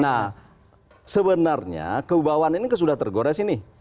nah sebenarnya keubauan ini sudah tergores ini